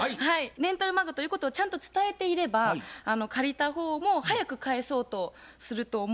レンタル漫画ということをちゃんと伝えていれば借りた方も早く返そうとすると思うんですよね。